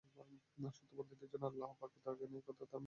সত্য পন্থীদের সাথে যে আল্লাহ পাক থাকেন– একথা তার মগজে প্রবেশ করত না।